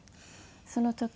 その時に。